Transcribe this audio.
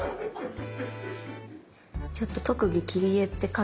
ちょっと特技切り絵って書きます。